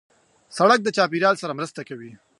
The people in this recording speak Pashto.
سړک د چاپېریال سره مرسته کوي.